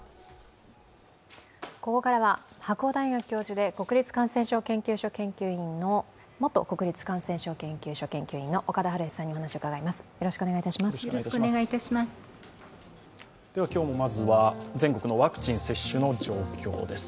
ここからは白鴎大学教授で元国立感染症研究所研究員の岡田晴恵さんにお話を伺います。